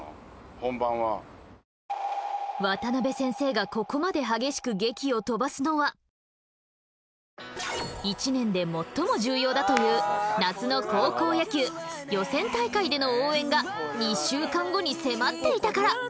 渡邉先生がここまで激しく一年で最も重要だという夏の高校野球予選大会での応援が２週間後に迫っていたから。